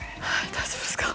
大丈夫ですか？